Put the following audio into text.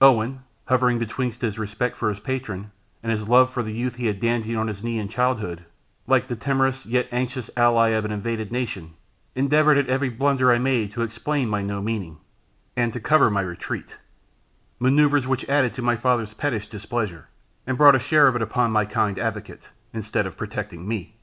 Owen, hovering betwixt his respect for his patron, and his love for the youth he had dandled on his knee in childhood, like the timorous, yet anxious ally of an invaded nation, endeavoured at every blunder I made to explain my no meaning, and to cover my retreat; manoeuvres which added to my father's pettish displeasure, and brought a share of it upon my kind advocate, instead of protecting me.